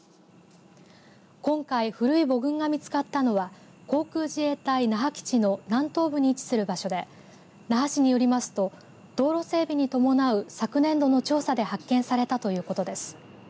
今回、古い墓群が見つかったのは航空自衛隊那覇基地の南東部に位置する場所で那覇市によりますと道路整備に伴う昨年度の調査で発見されたということです。